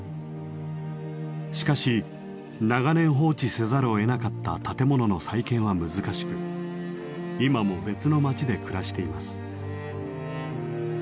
しかし長年放置せざるをえなかった建物の再建は難しく今も別の町で暮らしています。